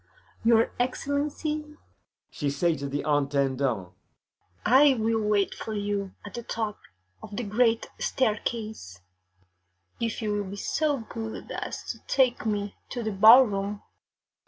Your Excellency,' she say to the Intendant, 'I will wait for you at the top of the great staircase, if you will be so good as to take me to the ballroom.